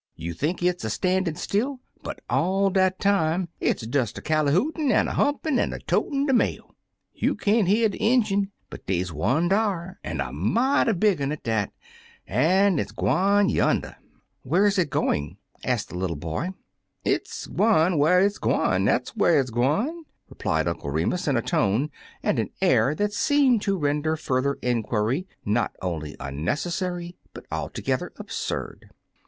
You think it's a standin' still, but all dat time it's des a callyhootin', an' a humpin', an' a totin' de mail. You can't hear de ingine, but dey's one dar, an' a mighty big un at dat, an' it's gwine yander." "Where is it going?" asked the little boy. "It's gwine whar it's gwine, dat's whar it 's gwine," replied Uncle Remus, in a tone and with an air that seemed to render further mquiiy not only unnecessary, but altogether absurd.